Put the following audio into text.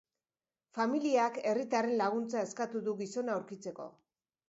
Familiak herritarren laguntza eskatu du gizona aurkitzeko.